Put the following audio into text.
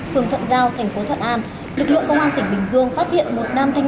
phường thuận giao thành phố thuận an lực lượng công an tỉnh bình dương phát hiện một nam thanh